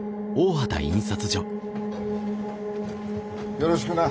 よろしくな。